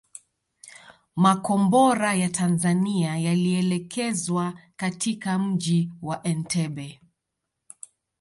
Makombora ya Tanzania yalielekezwa katika mji wa Entebbe